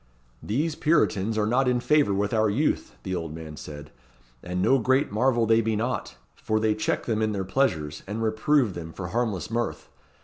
"These Puritans are not in favour with our youth," the old man said; "and no great marvel they be not; for they check them in their pleasures, and reprove them for harmless mirth.